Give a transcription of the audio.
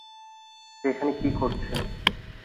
সে এখানে কী করছে?